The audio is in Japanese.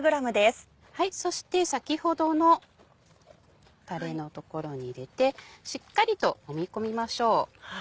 そして先ほどのタレの所に入れてしっかりともみ込みましょう。